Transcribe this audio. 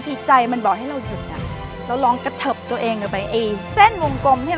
๑๐ทีเริ่ม